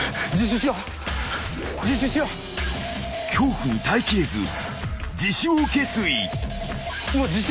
［恐怖に耐えきれず自首を決意］